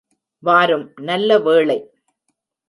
வாரும் நல்ல வேளை!